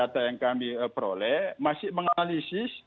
dan data yang kami peroleh masih menganalisis